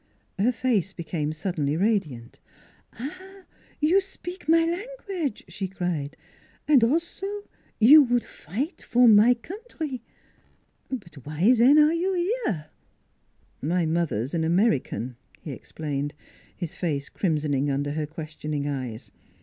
Her face became suddenly radiant. " Ah, you spik my language !" she cried. " And also you would fight for my country. ... But w'y, zen, aire you here? "" My mother is an American," he explained, his face crimsoning under her questioning eyes.